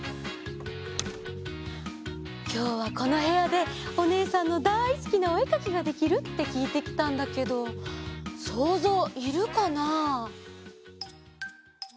きょうはこのへやでおねえさんのだいすきなおえかきができるってきいてきたんだけどそうぞういるかな？